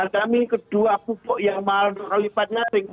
kami kedua pupuk yang malah lipatnya